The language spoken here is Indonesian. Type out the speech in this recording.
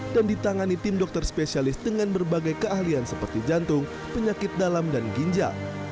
dan ditangani tim dokter spesialis dengan berbagai keahlian seperti jantung penyakit dalam dan ginja